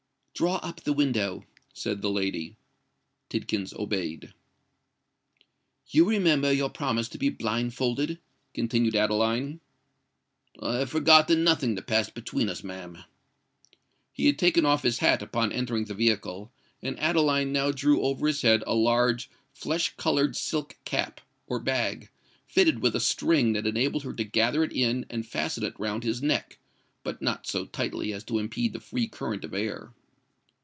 "Draw up the window," said the lady. Tidkins obeyed. "You remember your promise to be blindfolded?" continued Adeline. "I have forgotten nothing that passed between us, ma'am." He had taken off his hat upon entering the vehicle; and Adeline now drew over his head a large flesh coloured silk cap, or bag, fitted with a string that enabled her to gather it in and fasten it round his neck—but not so tightly as to impede the free current of air.